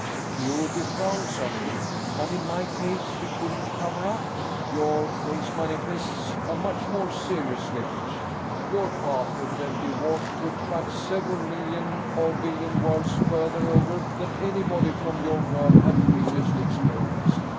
Security frowns on it." "But in my case, you couldn't cover up." "Your case manifests a much more serious slippage. Your path, evidently, warped to a track several million or billion worlds further over than anybody from your world had previously experienced.